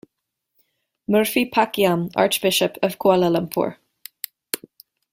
Murphy Pakiam, Archbishop of Kuala Lumpur.